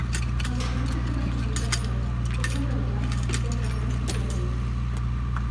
El detingut és de nacionalitat sueca, té trenta-dos anys i té antecedents psiquiàtrics.